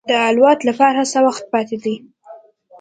د الوت لپاره څه وخت پاتې و.